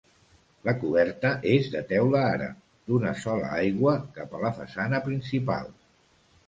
La coberta és de teula àrab, d'una sola aigua cap a la façana principal.